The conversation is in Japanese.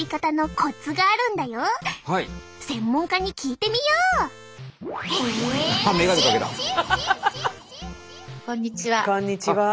こんにちは。